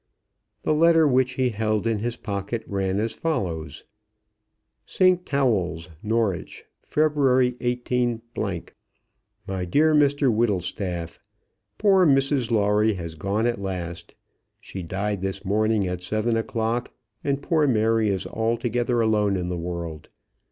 The letter which he held in his pocket ran as follows: ST. TAWELL'S, NORWICH, February 18 . MY DEAR MR WHITTLESTAFF, Poor Mrs Lawrie has gone at last. She died this morning at seven o'clock, and poor Mary is altogether alone in the world.